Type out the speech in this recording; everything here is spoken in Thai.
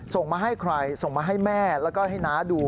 ส่งมาให้ใครส่งมาให้แม่แล้วก็ให้น้าดู